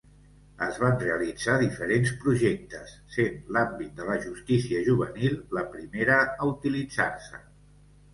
Es van realitzar diferents projectes, sent l'àmbit de la justícia juvenil la primera a utilitzar-se.